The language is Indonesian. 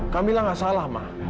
kamila nggak salah ma